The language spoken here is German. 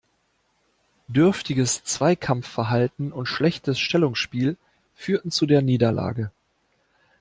Dürftiges Zweikampfverhalten und schlechtes Stellungsspiel führten zu der Niederlage.